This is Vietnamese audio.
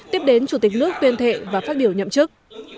tiếp đến chủ tịch nước tuyên thệ và phát biểu nhậm chức